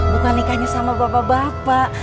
bukan nikahnya sama bapak bapak